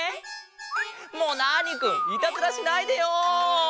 もうナーニくんいたずらしないでよ！